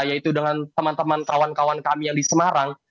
yaitu dengan teman teman kawan kawan kami yang di semarang